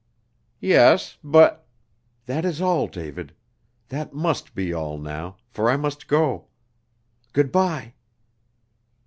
"Yes, but " "That is all, David. That must be all now, for I must go. Good bye."